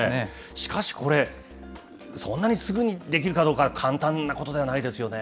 しかしこれ、そんなにすぐにできるかどうか、簡単なことではないですよね。